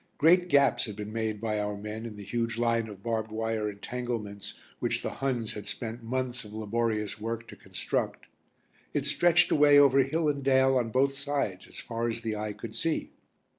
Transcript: Great gaps had been made by our men in the huge line of barbed wire entanglements which the Huns had spent months of laborious work to construct. It stretched away over hill and dale on both sides as far as the eye could see.